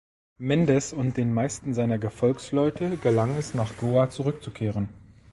Mendez und den meisten seiner Gefolgsleute gelang es, nach Goa zurückzukehren.